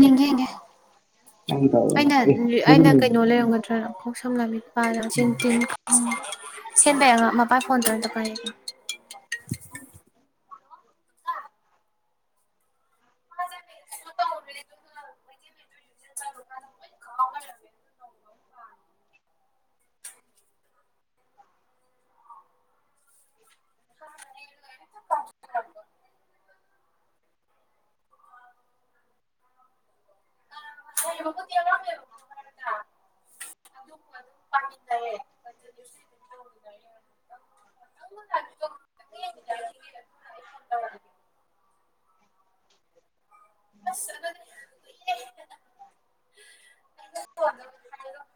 ꯌꯦꯡꯒꯦ ꯌꯦꯡꯒꯦ ꯑꯩꯅ ꯑꯩꯅ ꯀꯩꯅꯣ ꯂꯩꯔꯝꯒꯗ꯭ꯔꯥꯅ ꯀꯣꯛ ꯁꯝꯂꯕꯤ ꯃꯄꯥꯗꯣ ꯁꯤ ꯇꯤꯟ ꯁꯦꯝꯦꯟꯕ ꯌꯥ ꯃꯄꯥ ꯐꯣꯟ ꯇꯧꯔ ꯇꯀꯥꯏꯣ [unintelligible] [unintelligible] [unintelligible] [unintelligible] [inaudible] [unintelligible] [unintelligible] [unintelligible] [unintelligible] [unintelligible]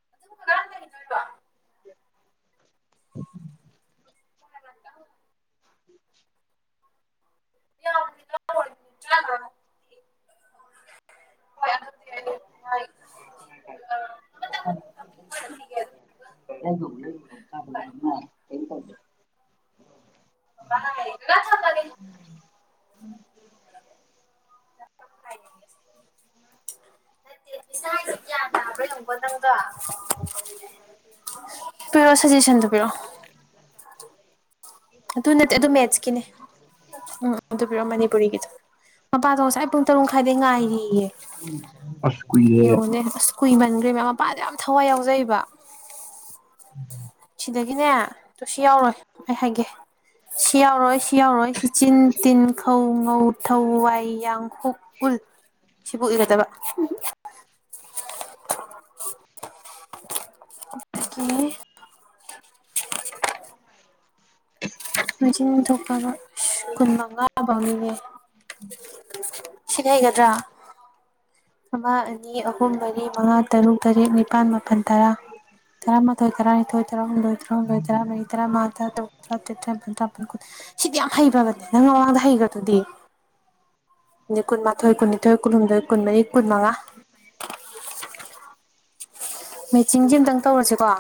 [unintelligible] [unintelligible] [unintelligible] [unintelligible] [unintelligible] [unintelligible] [unintelligible] ꯄꯤꯔꯑꯣ ꯁꯖꯦꯁꯟꯗꯨ ꯄꯤꯔꯣꯑꯣ ꯑꯗꯨ ꯅꯠꯇꯦ ꯑꯗꯨ ꯃꯦꯠꯁꯀꯤꯅꯦ ꯎꯝ ꯇꯕꯤꯔꯣꯑꯣ ꯃꯅꯤꯄꯨꯔꯤꯒꯤꯗ ꯃꯄꯥꯗꯣ ꯉꯁꯥꯏ ꯄꯨꯡ ꯇꯔꯨꯛ ꯃꯈꯥꯏꯗꯩ ꯉꯥꯏꯔꯤꯌꯦ ꯌꯉꯅꯦ ꯀꯨꯏꯃꯟꯈ꯭ꯔꯦ ꯃꯌꯥꯝ ꯃꯄꯥꯟꯗ ꯌꯥꯝ ꯊꯋꯥꯏ ꯌꯥꯎꯖꯩꯕ ꯁꯤꯗꯒꯤꯅꯦ ꯑꯗꯨꯨ ꯁꯤ ꯌꯥꯎꯔꯣꯏ ꯑꯩ ꯍꯥꯏꯒꯦ ꯁꯤ ꯌꯥꯎꯔꯣꯏ ꯁꯤ ꯌꯥꯎꯔꯣꯏ ꯁꯤ ꯆꯤꯟ ꯇꯤꯟ ꯈꯧ ꯉꯧ ꯊꯧ ꯋꯥꯏ ꯌꯥꯡꯈꯣꯛ ꯀꯨꯜ ꯁꯤꯕꯨ ꯏꯒꯗꯕ [unintelligible] ꯃꯆꯤꯟ ꯊꯣꯛꯄ ꯀꯨꯟ ꯃꯉꯥ ꯐꯪ ꯁꯤꯒ ꯍꯥꯏꯒꯗ꯭ꯔꯥ ꯑꯃ ꯑꯅꯤ ꯑꯍꯨꯝ ꯃꯔꯤ ꯃꯉꯥ ꯇꯔꯨꯛ ꯇꯔꯦꯠ ꯅꯤꯄꯥꯜ ꯃꯥꯄꯜ ꯇꯔꯥ ꯇꯔꯃ ꯊꯣꯏ ꯇꯔꯥ ꯊꯣꯏ ꯇꯔ ꯂꯣꯏꯔꯣ ꯂꯣꯏ ꯇꯔ ꯏꯔ ꯃꯥ ꯇ ꯇꯇꯦ ꯇꯔꯥꯅꯤꯄꯜ ꯇꯔꯥꯄꯜ ꯀꯨ ꯁꯤꯗꯤ ꯌꯥꯝ ꯍꯩꯈ꯭ꯔꯕꯅꯦ ꯅꯪ ꯃꯃꯥꯡꯗ ꯍꯩꯈ꯭ꯔꯗꯨꯗꯤ ꯀꯨꯟꯃꯥꯊꯣꯏ ꯀꯨꯟꯅꯤꯊꯣꯏ ꯀꯨꯟꯍꯨꯝꯗꯣꯏ ꯀꯨꯟꯃꯔꯤ ꯀꯨꯟꯃꯉꯥ ꯃꯦꯆꯤꯡꯁ ꯑꯝꯇꯪ ꯇꯧꯔꯁꯦꯀꯣ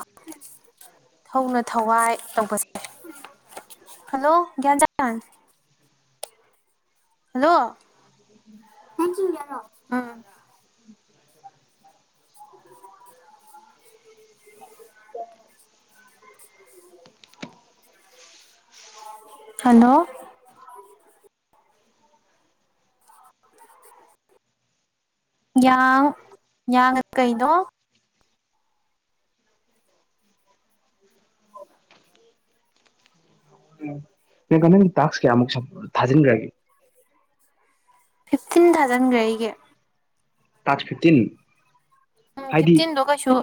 ꯍꯧꯅ ꯊꯋꯥꯏ ꯇꯧꯕꯁ ꯍꯜꯂꯣ ꯭ꯌꯥꯟ ꯆꯥꯥꯟ ꯍꯜꯂꯣ ꯎꯝ ꯍꯂꯣ ꯌꯥ ꯌꯥꯥꯡ ꯀꯩꯅꯣ ꯅ ꯀꯃꯪꯒꯤ ꯇꯥꯛꯁ ꯀꯌꯥꯃꯨꯛ ꯊꯥꯖꯤꯟꯈ꯭ꯔꯒꯦ ꯐꯤꯐꯇꯤꯟ ꯊꯥꯎꯖꯟꯈ꯭ꯔ ꯑꯩꯒꯤ ꯇꯥꯆ ꯐꯤꯞꯇꯤꯟ ꯎꯝ ꯐꯤꯐꯇꯤꯟꯗꯣ ꯀꯩꯁꯨ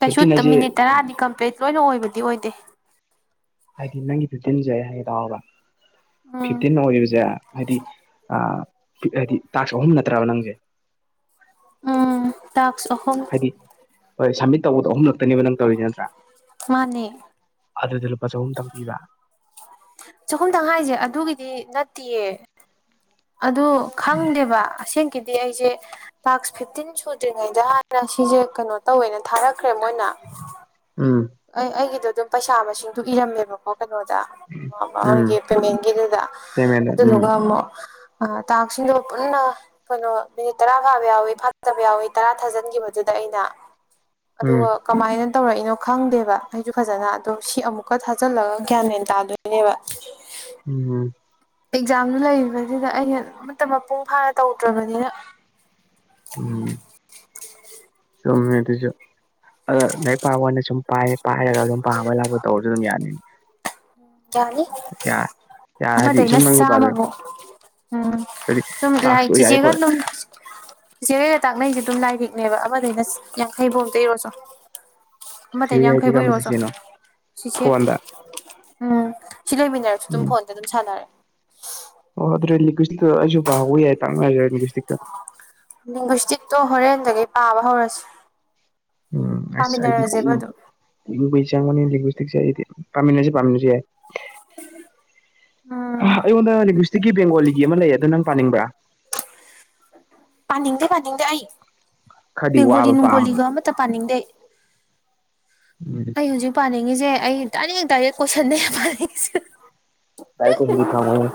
ꯀꯩꯁꯨ ꯍꯥꯏꯁꯦ ꯃꯤꯅꯤꯠ ꯇꯔꯥꯗꯤ ꯀꯝ ꯄ꯭ꯂꯦꯠ ꯂꯣꯏꯅ ꯑꯣꯏꯕꯗꯤ ꯑꯣꯏꯗꯦ ꯍꯥꯏꯗꯤ ꯅꯪꯒꯤ ꯐꯤ ꯇꯤꯟꯖꯦ ꯍꯥꯏꯒꯦ ꯇꯥꯛꯑꯣꯕ ꯎꯝ ꯐꯤꯐꯇꯤꯟ ꯑꯣꯏꯕꯁꯦ ꯍꯥꯏꯗꯤ ꯍꯥꯏꯗꯤ ꯇꯥꯛꯁ ꯑꯍꯨꯝ ꯅꯠꯇ꯭ꯔꯕ ꯅꯪꯁꯦ ꯎꯝ ꯇꯥꯛ ꯍꯥꯏꯗꯤ ꯍꯣꯏ ꯁꯝꯃꯤꯠ ꯇꯧꯕꯗꯣ ꯑꯍꯨꯝꯂꯛꯇꯅꯦꯕ ꯅꯪ ꯇꯧꯔꯤꯁꯦ ꯅꯠꯇ꯭ꯔꯥ ꯃꯥꯅꯦ ꯑꯗꯨꯗꯤ ꯂꯨꯄꯥ ꯆꯍꯨꯝꯇꯪ ꯄꯤꯕ ꯆꯈꯨꯝ ꯇꯪꯍꯥꯏꯁꯦ ꯑꯗꯨꯒꯤꯗꯤ ꯅꯠꯇꯦꯌꯦ ꯑꯗꯨ ꯈꯪꯗꯦꯕ ꯑꯁꯦꯡꯒꯤꯗꯤ ꯑꯩꯁꯦ ꯇꯥꯛꯁ ꯐꯤꯐꯇꯤꯟ ꯁꯨꯗ꯭ꯔꯤꯉꯩꯗ ꯍꯥꯏꯥꯟꯅ ꯁꯤꯁꯦ ꯀꯩꯅꯣ ꯇꯧꯋꯦꯅ ꯊꯥꯔꯛꯈ꯭ꯔꯦ ꯃꯣꯏꯅ ꯎꯝ ꯑꯩ ꯑꯩꯒꯤꯗꯣ ꯑꯗꯨꯝ ꯄꯩꯁꯥ ꯃꯁꯤꯡꯗꯣ ꯏꯔꯝꯃꯦꯕꯀꯣ ꯀꯩꯅꯣꯗ ꯎꯝ ꯃꯣꯏꯒꯤ ꯄꯦꯃꯦꯟꯒꯤꯗꯨꯗ ꯄꯦꯃꯦꯟꯗ ꯎꯝ ꯑꯗꯨꯗꯨꯒ ꯑꯃꯨꯛ ꯑ ꯇ ꯑꯁꯤꯗ ꯄꯨꯟꯅ ꯀꯩꯅꯣ ꯃꯤꯅꯤꯠ ꯇꯔꯥ ꯐꯥꯕ ꯌꯥꯎꯏꯤ ꯐꯥꯠꯇꯕ ꯌꯥꯎꯏ ꯇꯔꯥ ꯊꯥꯖꯤꯟꯈꯤꯕꯗꯨꯗ ꯑꯩꯅ ꯎꯝ ꯑꯗꯨꯒ ꯀꯃꯥꯏꯅ ꯇꯧꯔꯛꯏꯅꯣ ꯈꯪꯗꯦꯕ ꯑꯩꯁꯨ ꯐꯖꯅ ꯑꯗꯣ ꯁꯤ ꯑꯃꯨꯛꯀ ꯊꯥꯖꯤꯜꯂꯒ ꯒ꯭ꯌꯥꯟ ꯃꯦꯟ ꯇꯥꯗꯣꯏꯅꯦꯕ ꯎꯝ ꯑꯦꯛꯖꯥꯝꯗꯨ ꯂꯩꯔꯤꯕꯁꯤꯗ ꯑꯩꯅ ꯑꯃ ꯃꯄꯨꯡ ꯐꯥꯅ ꯇꯧꯗ꯭ꯔꯕꯅꯤꯅ ꯎꯝ ꯁꯨꯝꯃꯦ ꯑꯗꯨꯁꯨ ꯑ ꯂꯥꯏ ꯄꯥꯕꯅꯦ ꯁꯨꯝ ꯄꯥꯏ ꯄꯥꯏꯔꯒ ꯑꯗꯨꯝ ꯄꯥꯝꯃꯒ ꯂꯥꯛꯄ ꯇꯧꯔꯁꯨ ꯑꯗꯨꯝ ꯌꯥꯅꯤ ꯎꯝ ꯌꯥꯅꯤ ꯌꯥꯔ ꯍꯥꯏꯗꯤ ꯑꯃꯗꯩꯅ ꯁꯨꯝ ꯅꯪꯁꯨ ꯄꯥꯖꯔꯣ ꯆꯥꯝꯃꯕꯨ ꯍꯥꯏꯗꯤ ꯎꯝ ꯂ ꯇꯥꯛꯁꯇꯣ ꯆ ꯌꯥꯏꯀꯣ ꯆꯦꯒ ꯆꯦꯔꯩꯒ ꯇꯥꯛꯅꯩꯁꯦ ꯑꯗꯨꯝ ꯂꯥꯏꯔꯤꯛꯅꯦꯕ ꯑꯃꯗꯩꯅ ꯌꯥꯡꯈꯩꯕꯣꯝ ꯇꯩꯔꯣꯁꯨ ꯑꯃꯅꯦ ꯆꯦ ꯍꯥꯏꯗꯤ ꯀꯔꯝꯕ ꯌꯥꯝꯈꯩꯕꯨꯨꯏꯔꯣꯁꯨ ꯆꯦꯆꯦꯅꯣ ꯁꯤꯁꯦ ꯐꯣꯟꯗ ꯎꯝ ꯁꯤ ꯂꯩꯃꯤꯟꯅꯔꯁꯨ ꯑꯗꯨꯝ ꯐꯣꯟꯗ ꯑꯗꯨꯝ ꯁꯥꯟꯅꯔꯦ ꯑꯣ ꯑꯗꯨꯦ ꯂꯤꯀꯁꯇ ꯑꯩꯁꯨ ꯄꯥꯥꯎꯧꯕ ꯌꯥꯏ ꯇꯥꯛꯅꯔꯦꯀꯁꯇꯤꯛꯇ ꯅꯒꯁꯇꯤꯛꯇꯣ ꯍꯣꯔꯦꯟꯗꯒꯤꯩ ꯄꯥꯕ ꯍꯧꯔꯁꯤ ꯄꯥꯝꯃꯤꯟꯅꯔꯁꯦꯕ ꯑꯗꯨ ꯖꯥ ꯃꯅꯤꯁ ꯄꯃꯤꯁꯤ ꯄꯝꯁꯤ ꯌꯥꯦ ꯎꯝ ꯑꯩꯉꯣꯟꯗꯂꯤꯂꯤꯁꯇꯤꯒꯤ ꯕꯦꯡꯒꯣꯂꯤꯒꯤ ꯑꯃ ꯂꯩ ꯑꯗꯣ ꯅꯪ ꯄꯥꯅꯤꯡꯕ꯭ꯔꯥ ꯄꯥꯅꯤꯡꯗꯦ ꯄꯥꯅꯤꯡꯗꯦ ꯑꯩ ꯈꯔꯗꯤ ꯕꯦꯡꯒꯣꯂꯤ ꯋꯥꯕ ꯄꯥꯕꯗ ꯅꯨꯡꯒꯣꯂꯤꯒ ꯑꯃꯠꯇ ꯄꯥꯅꯤꯡꯗꯦ ꯎ ꯑꯩ ꯍꯧꯖꯤꯛ ꯄꯥꯅꯤꯡꯉꯤꯁꯦ ꯑꯩ ꯗꯥꯏꯔꯦꯛ ꯗꯥꯏꯔꯦꯛ ꯀꯣꯏꯁꯟꯅꯗꯩ ꯄꯥꯅꯤꯡꯉꯤꯁꯦ ꯗꯥꯏꯔꯦꯛ ꯀꯣꯏꯁꯟꯗꯤ ꯐꯪꯉꯣꯏꯍꯦ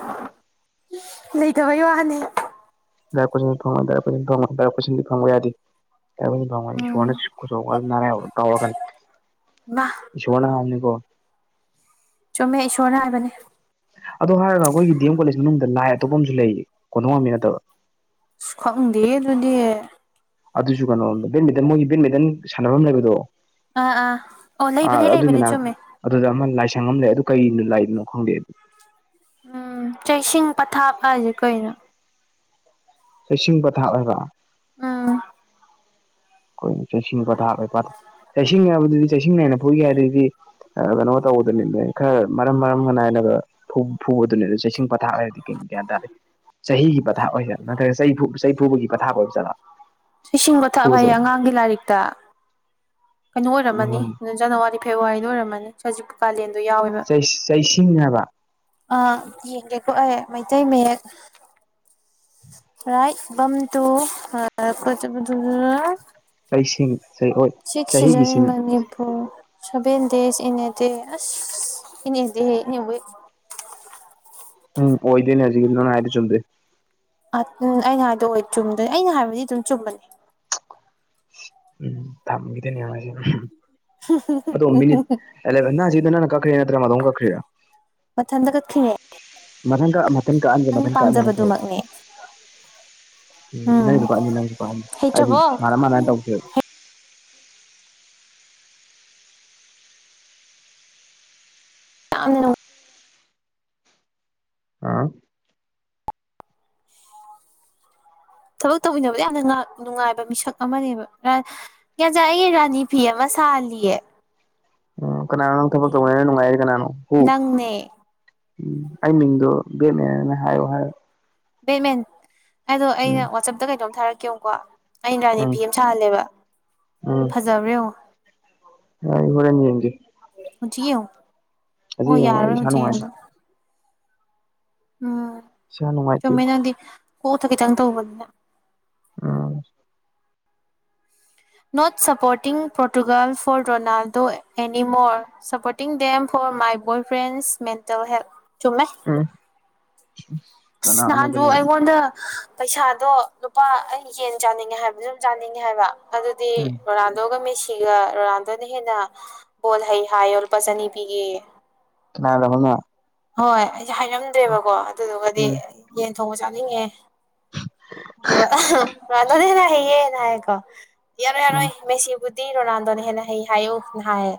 ꯂꯩꯇꯕꯩ ꯋꯥꯅꯤ ꯗꯗꯥꯔ ꯀꯣꯏꯁ ꯐꯪꯣꯗꯥꯔꯣꯏ ꯐꯪꯣꯗꯥꯔ ꯀꯣꯏꯁꯟꯗꯤ ꯐꯪꯕ ꯌꯥꯗꯤ ꯎꯝ ꯁꯨꯅ ꯀꯔꯒ ꯃꯥ ꯁꯣꯟꯅꯅꯤꯀꯣ ꯆꯨꯝꯃꯦ ꯏꯁꯣꯔꯅ ꯍꯥꯏꯕꯅꯦ ꯑꯗꯣ ꯍꯥꯏꯔꯒ ꯑꯩꯈꯣꯏꯒꯤ ꯗꯤ ꯑꯦꯝ ꯀꯣꯂꯦꯖ ꯃꯅꯨꯡꯗ ꯂꯥꯏ ꯑꯇꯣꯞꯄ ꯑꯃꯁꯨ ꯂꯩꯌꯦ ꯀꯣꯟꯊꯣꯡ ꯉꯝꯃꯤ ꯅꯠꯇꯕ ꯁ ꯈꯪꯗꯦ ꯑꯗꯨꯗꯤ ꯑꯗꯨꯁꯨ ꯀꯩꯅꯣ ꯦ ꯃꯣꯏꯒꯤ ꯦꯠꯃꯤꯇꯟ ꯁꯥꯟꯅꯐꯝ ꯂꯩꯕꯗꯣ ꯑꯥ ꯑꯥ ꯑꯣ ꯑꯥ ꯂꯩꯕꯅꯦ ꯑꯗꯨꯏ ꯂꯩꯕꯅꯤ ꯃꯅꯥꯛ ꯆꯨꯝꯃꯦ ꯑꯗꯨꯗ ꯑꯃ ꯂꯥꯏꯁꯪꯉ ꯑꯃ ꯂꯩ ꯑꯗꯨ ꯀꯩꯅꯣ ꯂꯏꯕꯅꯣ ꯈꯪꯗꯦ ꯑꯗꯨ ꯎꯝ ꯆꯁꯤꯡ ꯄꯊꯥꯞ ꯍꯥꯏꯁꯦ ꯀꯩꯅꯣ ꯆꯁꯤꯡ ꯄꯊꯥꯞ ꯑꯣꯏꯕ ꯎꯝ ꯑꯩꯈꯣꯏ ꯆꯁꯤ ꯄꯥꯊꯥ ꯂꯩ ꯄꯥꯊꯥ ꯆꯁꯤ ꯍꯥꯏꯕꯗꯨꯗꯤ ꯆꯁꯤ ꯅꯥꯏꯅ ꯐꯨꯏꯒꯦ ꯍꯥꯏꯗꯤ ꯀꯩꯅꯣ ꯇꯧꯕꯗꯨꯅꯤꯅꯦ ꯈꯔ ꯃꯔꯝ ꯃꯔꯝꯒ ꯅꯥꯏꯅꯒ ꯐꯨꯕꯗꯨꯅꯤ ꯆꯩꯁꯤꯡ ꯊꯥꯔꯗꯤ ꯀ ꯀꯌꯥ ꯇꯔꯦ ꯆꯍꯤꯒꯤ ꯄꯊꯥꯞ ꯑꯣꯏꯁꯠꯂ ꯅꯠꯇ꯭ꯔꯒ ꯆꯩ ꯆꯩꯐꯨꯕꯒꯤ ꯄꯊꯥꯞ ꯑꯣꯏꯕ ꯆꯠꯂꯣ ꯁꯤꯁꯤꯡꯕꯊꯚꯉꯥꯡ ꯥꯡ ꯂꯥ ꯇ ꯀꯩꯅꯣ ꯑꯣꯏꯔꯝꯃꯅꯤ ꯖꯅꯋꯥꯔꯤ ꯐꯦꯕꯋꯥꯔꯤꯗ ꯑꯣꯏꯔꯝꯃꯅꯤ ꯈꯖꯤꯛ ꯀꯥꯂꯦꯟꯗꯣ ꯌꯥꯎꯋꯦꯕ ꯆꯩꯁꯤꯡ ꯍꯥꯏꯕ ꯑꯥ ꯌꯦꯡꯒꯦꯀꯣ ꯑꯩꯦ ꯃꯩꯇꯩ ꯃꯌꯦꯛ ꯔꯥꯏꯝ ꯇꯨ ꯀꯣꯏ ꯆꯗꯨ ꯀꯩꯁꯤꯡ ꯁꯤꯛꯁꯤꯖꯟ ꯃꯅꯤꯅꯤꯄꯨꯔ ꯁꯕꯦꯟ ꯗꯦꯁꯤ ꯏꯅꯦꯗꯦ ꯑꯁ ꯏꯅꯦꯗꯦ ꯏꯅꯦꯕꯨ ꯎꯝ ꯑꯣꯏꯗꯦꯅꯤ ꯍꯧꯖꯤꯣꯅ ꯍꯥꯏꯔꯤ ꯆꯣꯦ ꯑ ꯎ ꯑꯩꯅ ꯍꯥꯏꯗꯣꯑꯣ ꯆꯨꯝꯗ ꯑꯩꯅ ꯍꯥꯏꯕꯗꯤ ꯑꯗꯨꯝ ꯆꯨꯝꯕꯅꯤ ꯎꯝ ꯊꯝꯒꯗꯤꯅꯤꯃꯥꯏꯁꯤꯦ ꯑꯗꯣ ꯃꯤꯅꯤꯠꯂꯦꯟ ꯅꯗ ꯅꯪ ꯀꯈ꯭ꯔꯦ ꯅꯠꯇ꯭ꯔꯗ ꯀꯈ꯭ꯔꯔꯤ ꯃꯊꯟꯗ ꯀ ꯈꯤꯉꯦ ꯃꯊꯪ ꯀꯛ ꯃꯊꯪ ꯀꯛꯑꯟꯒꯦ ꯃꯊꯪ ꯀꯛꯑꯃꯦꯅ ꯐꯣꯏ ꯄꯥꯝꯖꯕꯗꯨꯃꯛꯅꯦ ꯎꯝ ꯅꯪꯁꯨ ꯀꯛꯑꯅꯤ ꯅꯪꯁꯨ ꯀꯛꯑꯅꯤ ꯍꯥꯏꯗꯤ ꯍꯩꯇ꯭ꯔꯕꯣ ꯃꯥꯅ ꯃꯥꯅ ꯇꯧꯁꯦꯕ ꯑ ꯑ ꯊꯕꯛ ꯇꯧꯃꯤꯟꯅꯕꯗ ꯌꯥꯝꯅ ꯅꯨꯡꯉꯥꯏꯕ ꯃꯤꯁꯛ ꯑꯃꯅꯦꯕ ꯀ ꯆꯏꯦ ꯔꯅꯤ ꯐꯤꯕꯁꯍ ꯎ ꯀꯅꯥꯅꯣ ꯅꯪ ꯊꯕꯛ ꯇꯧꯅꯅ ꯅꯨꯡꯉꯥꯏꯔꯤ ꯀꯅꯥꯅꯣ ꯍꯨ ꯅꯪꯅꯦ ꯎꯝ ꯑꯩ ꯃꯤꯡꯗꯣ ꯕꯦꯠꯅꯦꯅ ꯍꯥꯏꯌꯣ ꯍꯥꯏꯔ ꯕꯦꯠꯃꯦꯟ ꯑꯗꯣ ꯑꯩꯅ ꯎꯝ ꯋꯥꯆꯞꯇ ꯀꯩꯗꯣꯝ ꯊꯥꯔꯛꯀꯦꯨꯀꯣ ꯑꯩ ꯔꯥꯅꯤ ꯎꯝ ꯐꯤ ꯁꯥꯜꯂꯦꯕ ꯐꯖꯕ꯭ꯔꯦ ꯑꯣ ꯑ ꯍꯔꯦꯟꯅꯤ ꯌꯦꯦ ꯍꯧꯖꯤꯛ ꯌꯦꯡ ꯍ ꯌꯦꯡꯉꯣ ꯑꯩ ꯌꯥꯔꯔꯣꯏ ꯏꯁꯥ ꯍꯧꯖꯤꯛ ꯅꯨꯡꯉꯥꯏꯇꯦ ꯌꯦꯡꯕ ꯎꯝ ꯏꯁꯥ ꯅꯨꯡꯉꯥꯏꯇꯦ ꯁꯨꯝꯃꯥꯏ ꯅꯪꯗꯤ ꯀꯣꯛꯊ ꯈꯤꯇꯪ ꯇꯧꯕꯅꯤꯅ ꯑꯥ not supporting Portugal for Ronaldo anymore supporting them for my boy friends mental health ꯆꯨꯝꯃꯦ ꯎꯝ ꯅꯥꯟꯁꯨ ꯀꯅꯥꯅꯣꯗꯅꯦꯕ ꯑꯩꯉꯣꯟꯗ ꯄꯩꯁꯥꯗꯣ ꯂꯨꯄꯥ ꯑꯩ ꯌꯦꯟ ꯆꯥꯅꯤꯡꯉꯦ ꯍꯥꯏꯕꯁꯨ ꯑꯗꯨꯝ ꯆꯥꯅꯤꯡꯉꯦ ꯍꯥꯏꯕ ꯑꯗꯨꯗꯤ ꯎꯝ ꯔꯔꯥꯗꯣꯒ ꯃꯁꯤ ꯁꯤꯒ ꯔꯣꯅꯥꯜꯗꯣꯅ ꯍꯦꯟꯅ ꯕꯣꯜ ꯍꯩ ꯍꯥꯏꯌꯦ ꯂꯨꯄꯥ ꯆꯅꯤꯄꯤꯤꯒꯦ ꯅ ꯂꯣꯅ ꯍꯣꯏ ꯑꯩꯁꯦ ꯍꯥꯏꯔꯝꯗꯦꯕꯀꯣ ꯑꯗꯨꯗꯨꯒ ꯎꯝ ꯌꯦꯟ ꯊꯣꯡꯕ ꯆꯥꯅꯤꯡꯉꯦ ꯑꯗꯨꯒ ꯔꯅꯗ ꯍꯦꯅ ꯍꯩꯌꯦꯦꯅ ꯍꯥꯏꯌꯦꯀꯣ ꯌꯥꯔꯣꯏ ꯎꯝ ꯌꯥꯔꯣꯏ ꯃꯦꯁꯤꯕꯨ ꯔꯣꯅꯥꯗꯣꯅ ꯍꯦꯅ ꯍ ꯍꯥꯏ ꯎꯅ ꯍꯥꯏꯌꯦ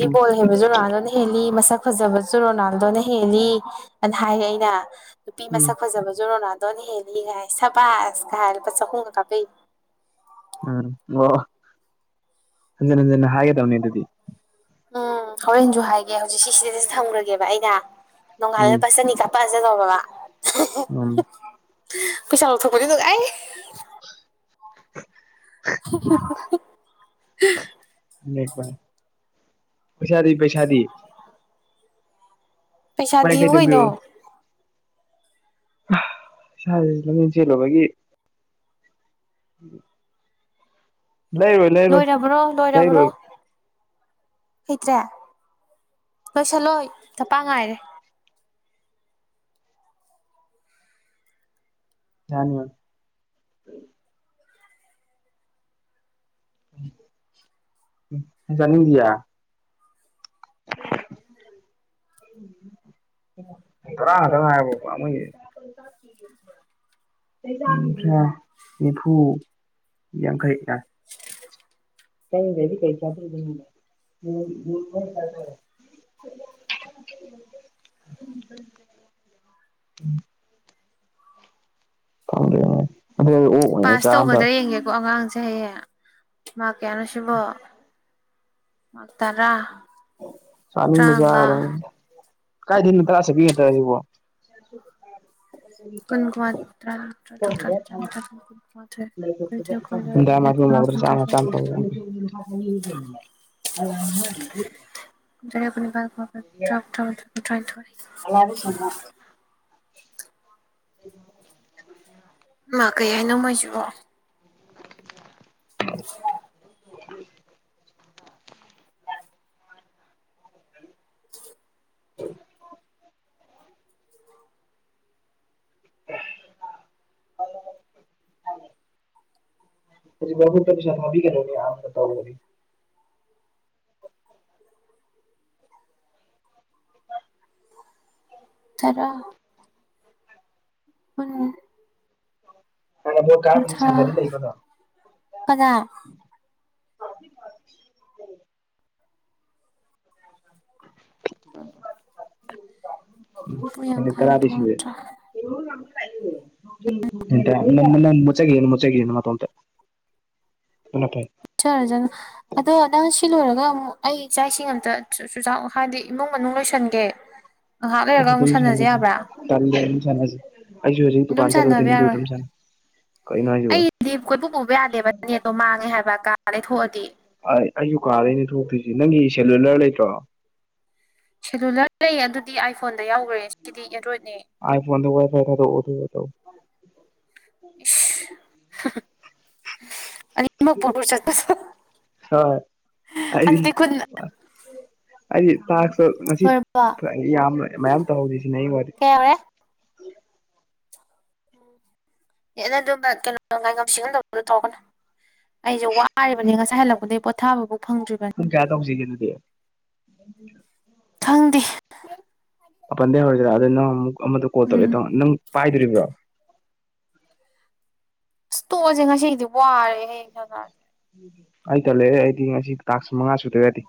ꯎꯝ ꯍꯦꯟꯕꯁꯨ ꯔꯣꯅꯥꯜꯗꯣꯅ ꯍꯦꯜꯂꯤ ꯃꯁꯛ ꯐꯖꯕꯁꯨ ꯔꯣꯅꯥꯜꯗꯣꯅ ꯍꯦꯜꯂꯤ ꯑꯅ ꯍꯥꯏ ꯑꯩꯅ ꯅꯨꯄꯤ ꯎꯝ ꯃꯁꯛ ꯐꯖꯕꯁꯨ ꯔꯣꯅꯥꯗꯣꯅ ꯍꯦꯜꯂꯤꯒ ꯍꯥꯏ ꯁꯕꯥꯁꯀ ꯍꯥꯏ ꯂꯨꯄꯥ ꯆꯍꯨꯝꯒ ꯀꯥꯄꯩ ꯎꯝ ꯑꯣ ꯍꯟꯖꯤꯟ ꯍꯟꯖꯤꯟꯅ ꯍꯥꯏꯒꯗꯕꯅꯦ ꯑꯗꯨꯗꯤ ꯎꯝ ꯍꯣꯔꯦꯟꯁꯨ ꯍꯥꯏꯒꯦ ꯍꯧꯖꯤꯛ ꯁꯤ ꯁꯤꯗꯗꯤ ꯊꯝꯈ꯭ꯔꯒꯦꯕ ꯑꯩꯅ ꯎꯝ ꯅꯣꯡꯒꯥꯥꯜꯂ ꯄꯠ ꯆꯅꯤꯀ ꯄꯖꯦ ꯇ ꯄꯕꯥ ꯎꯝ ꯄꯩꯁꯥ ꯂꯧꯊꯄꯅꯤ ꯑꯥꯏ [inaudible] ꯄꯩꯁꯥꯗꯤ ꯄꯩꯁꯥꯗꯤ ꯄꯩꯁꯥ ꯂꯨꯄꯥ ꯗꯗꯤꯕ ꯌꯥꯡꯈꯩꯇꯪ ꯀꯩꯅꯣ ꯄꯤꯔꯛꯑꯣ ꯏꯁꯥꯁ ꯂꯝꯖꯦꯟ ꯆꯦꯜꯂꯨꯕꯒꯤ ꯎꯝ ꯂꯩ ꯂꯣꯏꯔꯕ꯭ꯔꯣ ꯂꯣꯏꯔꯕ꯭ꯔꯣ ꯍꯩꯇ꯭ꯔꯦ ꯂꯣꯏꯁꯤꯜꯂꯣꯏ ꯇꯄ ꯉꯥꯏꯔꯦ ꯌꯥ ꯝ ꯗꯌꯥ [inaudible] ꯇꯔꯥ ꯇꯉꯕ ꯄꯥꯃꯒꯤ ꯀꯨꯊ꯭ꯔꯥ ꯅꯤꯐꯨ ꯌꯥꯡꯈꯩꯒ ꯀꯩꯅꯗꯤ ꯀꯩ ꯆꯥꯇ [inaudible] ꯎ ꯐꯪꯗꯦ ꯑꯩ ꯑꯣꯛ ꯑꯣꯏꯅ ꯄꯥꯁ ꯆꯥꯝꯕ ꯇꯧꯒꯗ꯭ꯔꯥ ꯌꯦꯡꯒꯦꯀꯣ ꯑꯉꯥꯡꯁꯦ ꯍꯌꯦꯦ ꯃꯥ ꯀꯌꯥꯅꯣꯁꯤꯕꯣ ꯃꯥ ꯇꯔ ꯆꯥꯅꯤꯡꯕ ꯆꯥꯔ ꯀꯥꯏ ꯊꯅꯣ ꯇ꯭ꯔꯥ ꯆꯠꯄꯤꯉꯦꯠꯇ꯭ꯔ ꯁꯤꯕꯣ ꯀꯨꯟꯒꯨꯃ ꯆ꯭ꯔ ꯀꯨꯟꯃꯦ ꯗꯗꯥꯃ ꯃꯒ꯭ꯔ ꯆꯥꯃ ꯀꯨꯟꯇꯔꯨꯛ ꯆ ꯇ ꯑꯃꯥꯡ ꯍꯥꯏꯗꯤ [inaudible] ꯑꯜꯔꯦ ꯆꯗꯦ [inaudible] ꯃꯥ ꯀꯩ ꯍꯥꯏꯅꯣꯉꯣꯏꯁꯤꯛꯑꯣ [inaudible] [inaudible] [inaudible] ꯇ ꯄꯁ ꯃꯕꯤꯒ ꯆ ꯇꯗꯤ ꯇꯔ ꯎ ꯍꯥꯟꯅ ꯚꯣꯠ ꯀꯥꯔꯝꯕꯅꯤ ꯅꯠꯇ꯭ꯔ ꯁꯪꯒꯗꯤ ꯂꯩꯒꯅꯣ ꯀꯒꯥ ꯍꯨꯝꯐꯨ ꯑ ꯌꯥꯡꯈꯩ ꯍꯨꯝꯐꯨ ꯇꯥꯗꯤꯁꯨꯨ ꯍꯨꯝꯗ꯭ꯔꯥ ꯇ ꯅ ꯃꯆꯒꯤ ꯌꯦ ꯃꯆꯒꯤ ꯌꯦꯅꯤ ꯃꯣꯟꯇ ꯃꯄꯥꯏ ꯆꯔ ꯍꯖꯅ ꯑꯗꯣ ꯅꯪ ꯁꯤ ꯂꯣꯏꯔꯒ ꯑꯃꯨꯛ ꯑꯩ ꯏꯥꯛ ꯏꯁꯤꯡ ꯑꯇ ꯆꯨꯖꯥꯛ ꯍꯥꯏꯗꯤ ꯏꯃꯨꯡ ꯃꯅꯨꯡ ꯂꯣꯏꯁꯟꯒꯦ [inaudible] ꯑꯗꯨ ꯑꯃꯨꯛ ꯁꯥꯟꯅꯁꯦ ꯁꯥꯟꯁꯦ ꯌꯥꯕ꯭ꯔꯥ ꯆ ꯑꯗꯨ ꯁꯁꯦ ꯑꯩ ꯍꯧꯖꯤꯛ ꯑꯗꯨꯝ ꯗꯨꯀꯥꯟ ꯁꯥꯟꯅꯕ ꯆꯂꯧꯗꯅꯦ ꯌꯥꯔꯣꯏ ꯇꯇꯝ ꯁ ꯑꯩꯗꯤ ꯀꯣꯏꯄ ꯄꯨꯕ ꯌꯥꯗꯦꯕ ꯅꯠꯇꯣ ꯃꯥꯡꯉꯦ ꯍꯥꯏꯕ ꯀꯥ ꯂꯩꯊꯣꯛꯑꯗꯤ ꯑꯩꯁꯨ ꯀꯥꯔꯗꯩꯅ ꯊꯣꯛꯇꯣꯏꯁꯤꯦ ꯅꯪꯒꯤ ꯁꯦꯂꯨꯂꯔ ꯂꯩꯇ꯭ꯔꯣ ꯁꯦꯂꯨꯂꯔ ꯂꯩ ꯑꯗꯨꯗꯤ ꯑꯥꯏꯐꯣꯟꯗ ꯌꯥꯎꯈ꯭ꯔꯦ ꯁꯤꯗꯤ ꯑꯦꯟꯗ꯭ꯔꯣꯏꯗꯅꯦ ꯑꯥꯏ ꯐꯣꯟ ꯋꯥꯏꯐꯥꯏ ꯊ ꯑꯣ ꯑ ꯃ ꯄꯨꯨꯔ ꯆꯠ ꯇ ꯍꯣꯏ ꯍꯥꯏꯗꯤ ꯀꯨꯟ ꯑꯩꯗꯤ ꯇꯥꯛꯁꯨ ꯉꯁꯤ ꯂꯣꯏꯔꯕꯣ ꯌꯥꯝꯅ ꯃꯌꯥꯝ ꯇꯧꯍꯧꯗꯦ ꯁꯤꯅꯦ ꯑꯩ ꯋꯥ ꯀꯦꯔꯦ ꯑꯦ ꯅꯪ ꯑꯗꯨꯝꯕ ꯀꯩꯅꯣ ꯉꯥꯏꯉꯝꯁꯤ ꯉꯝꯗꯕꯗ ꯇꯧꯒꯅꯣ ꯑꯩꯁꯨꯦ ꯋꯥꯔꯤꯕꯅꯤ ꯉꯁꯥꯏ ꯍꯜꯂꯛꯄꯗꯒꯤꯩ ꯄꯣꯊꯥꯕꯐꯥꯎ ꯐꯪꯗ꯭ꯔꯤꯕꯅꯤ ꯄꯨꯡ ꯀꯌꯥ ꯇꯧꯁꯤꯒꯦ ꯑꯗꯨꯗꯤ [inaudible] ꯈꯪꯗꯦ ꯑꯄꯥꯟꯗꯩ ꯍꯧꯔꯣꯏꯁꯤꯔꯥ ꯑꯗꯣ ꯅꯪ ꯑꯃꯨꯛ ꯑꯃꯗ ꯀꯣꯜ ꯎꯝ ꯇꯧꯔꯛꯑꯦ ꯇꯣ ꯅꯪ ꯄꯥꯏꯗꯣꯔꯤꯕ꯭ꯔꯣ ꯏꯁ꯭ꯇꯣꯁꯦ ꯉꯁꯤꯗꯤ ꯋꯥꯔꯦ ꯍꯌꯦꯡ ꯁꯪ ꯈꯔꯗꯤ ꯑꯩ ꯇ ꯂꯩꯔꯦ ꯑꯩꯗꯤ ꯉꯁꯤ ꯇꯥꯛ ꯃꯉꯥ ꯁꯨꯗ꯭ꯔ꯭ꯔꯗꯤ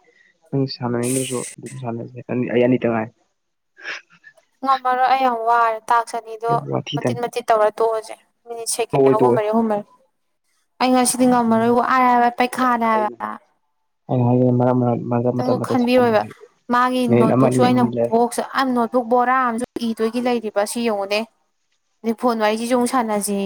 ꯅꯪ ꯁꯥꯟꯅꯅꯤꯡꯗꯁꯨ ꯑꯗꯨꯝ ꯁꯥꯟꯅꯁꯦ ꯑꯩ ꯑꯅꯤꯇ ꯉꯥꯏ ꯉꯝꯃꯔꯣꯏ ꯑꯩ ꯌꯥꯝ ꯋꯥꯔꯦ ꯇꯥꯛꯁꯅꯤꯗꯣ ꯋꯥꯊꯤ ꯇꯟ ꯃꯆꯤꯠ ꯃꯇꯆꯤꯠ ꯇꯧꯔ ꯇꯣꯛꯑꯁꯦ ꯃꯤꯅꯤ ꯇꯣꯛꯑꯣꯏ ꯁꯀ ꯇꯣꯛꯑꯣꯏ ꯍꯨꯃꯔꯦ ꯍꯨꯃꯔ ꯑꯩ ꯉꯁꯤꯗꯤ ꯎꯝ ꯎꯝ ꯉꯝꯃꯔꯣꯏ ꯋꯥꯦ ꯍꯥꯏꯕ ꯄꯩꯈꯥꯅꯦ ꯍꯥꯏꯕ ꯑꯩ ꯍꯥꯏꯦ ꯃꯔꯛ ꯃꯔꯛ ꯃꯔꯛ ꯈꯤꯇꯪ ꯃꯇꯠ ꯃꯇꯠ ꯁꯥꯟꯅꯖꯦ ꯈꯟꯕꯤꯔꯣꯏꯕ ꯍꯥꯏꯕꯅꯤ ꯃꯥꯒꯤ ꯃꯤꯅꯤꯠ ꯑꯃ ꯅꯣꯠꯕꯨꯛꯁꯨ ꯑꯅꯤ ꯑꯃ ꯑꯩꯅ ꯑꯅꯤ ꯂꯩꯔꯒ ꯕꯣꯛꯁ ꯑ ꯅꯣꯠ ꯕꯨꯛ ꯕꯣꯔꯥ ꯑꯃꯁꯨ ꯏꯗꯣꯏꯒꯤ ꯂꯩꯔꯤꯕ ꯁꯤ ꯌꯦꯡꯉꯨꯅꯦ ꯑ ꯐꯣꯟ ꯋꯥꯔꯤꯔꯤꯁꯤꯁꯨ ꯑꯃꯨꯛ ꯁꯥꯥꯟꯅꯁꯦꯌꯦ